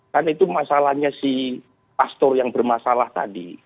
kan itu masalahnya si pastor yang bermasalah tadi